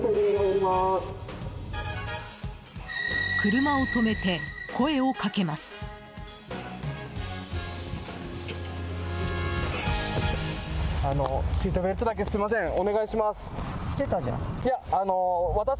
車を止めて、声をかけます。